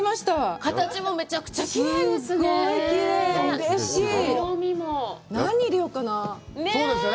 形もめちゃくちゃきれいですね。